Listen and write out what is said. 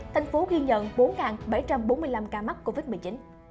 thành phố ghi nhận bốn bảy trăm bốn mươi năm ca mắc covid một mươi chín